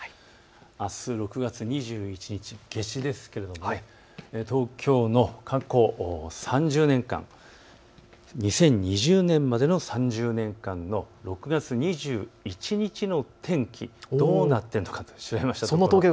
あす６月２１日、夏至ですけれども東京の過去３０年間、２０２０年までの３０年間の６月２１日の天気、どうなっているのか調べました。